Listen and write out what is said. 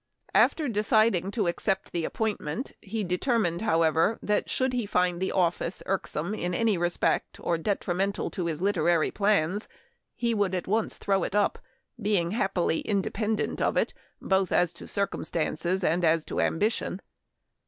After de ciding to accept the appointment, he determined, however, that should he find the office irksome in any respect, or detrimental to his literary plans, he would at once throw it up, being happily independent of it, " both as to circum stances and as to ambition."